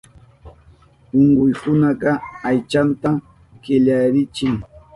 Unkuykunaka aychanta killarichin.